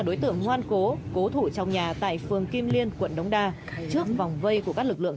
đối tượng ngoan cố cố thủ trong nhà tại phường kim liên quận đống đa trước vòng vây của các lực lượng